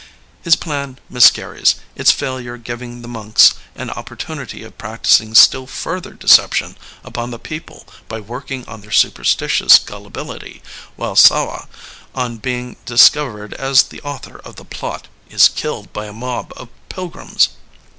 '' His plan miscarries, its failure giving the monks an oppor tunity of practicing still further deception upon the people by working on their superstitious gullibility, while Sawa, on being discovered as the author of the plot, is killed by a mob of pilgrims.